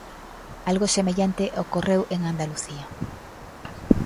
Algo semellante ocorreu en Andalucía.